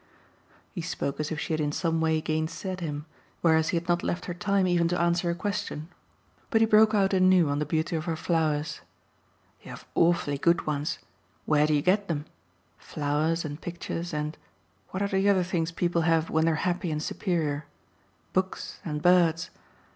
He spoke as if she had in some way gainsaid him, whereas he had not left her time even to answer a question. But he broke out anew on the beauty of her flowers. "You have awfully good ones where do you get them? Flowers and pictures and what are the other things people have when they're happy and superior? books and birds.